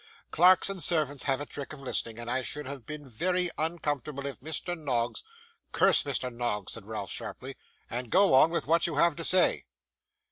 Clerks and servants have a trick of listening, and I should have been very uncomfortable if Mr. Noggs ' 'Curse Mr. Noggs,' said Ralph, sharply, 'and go on with what you have to say.